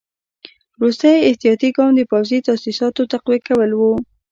وروستی احتیاطي ګام د پوځي تاسیساتو تقویه کول وو.